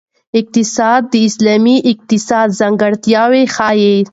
اقتصاد د اسلامي اقتصاد ځانګړتیاوې ښيي.